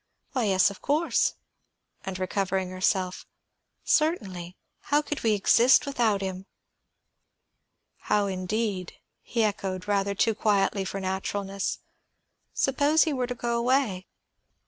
"Why, yes, of course." And recovering herself, "Certainly; how could we exist without him?" "How, indeed?" he echoed, rather too quietly for naturalness. "Suppose he were to go away?"